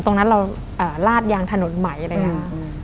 ตรงนั้นเราลาดยางถนนไหมอะไรอย่างนี้